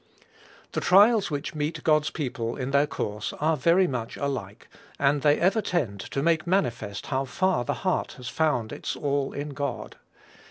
The trials which meet God's people in their course are very much alike; and they ever tend to make manifest how far the heart has found its all in God.